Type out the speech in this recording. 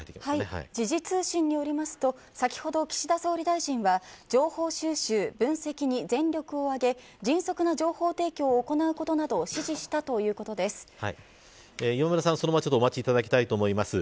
時事通信によりますと、先ほど岸田総理大臣は、情報収集分析に全力を挙げ、迅速な情報提供を行うことなどを磐村さんそのままお待ちください。